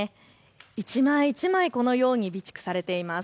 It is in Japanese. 一枚一枚このように備蓄されています。